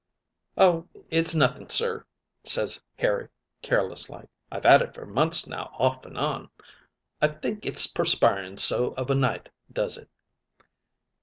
"'Oh, it's nothing, sir,' ses Harry, careless like. 'I've 'ad it for months now off and on. I think it's perspiring so of a night does it.'